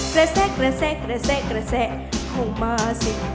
กระแซะกระแซะกระแซะกระแซะเข้ามาสิ